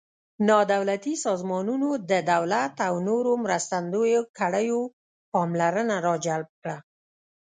نا دولتي سازمانونو د دولت او نورو مرستندویه کړیو پاملرنه را جلب کړه.